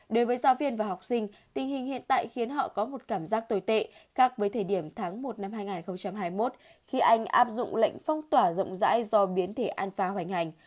đối với giáo viên và học sinh tình hình hiện tại khiến họ có một cảm giác tồi tệ khác với thời điểm tháng một năm hai nghìn hai mươi một khi anh áp dụng lệnh phong tỏa rộng rãi do biến thể an phá hoành hành